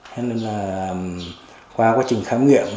thế nên là qua quá trình khám nghiệm